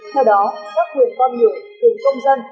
theo đó các quyền con người quyền công dân